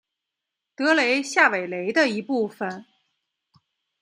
德雷下韦雷的一部分。